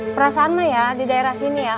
perasaan mah ya di daerah sini ya